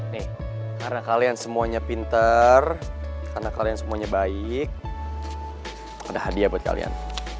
nih karena kalian semuanya pinter karena kalian semuanya baik ada hadiah buat kalian